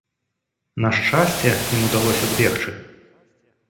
На шчасце, ім удалося збегчы.